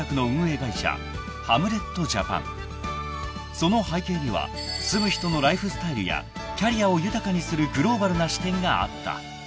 ［その背景には住む人のライフスタイルやキャリアを豊かにするグローバルな視点があった］